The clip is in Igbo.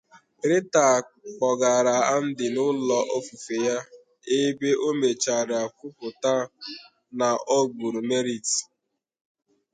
Rita kpọgara Andy n’ụlọ ofufe ya ebe ọ mechara kwupụta na ogburu Merit.